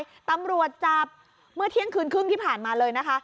ตำรวจจับเมื่อเที่ยงคืนครึ่งที่ผ่านมาเลยนะคะ